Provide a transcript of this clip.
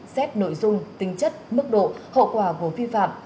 xét nội dung tính chất mức độ hậu quả của vi phạm